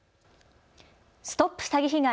ＳＴＯＰ詐欺被害！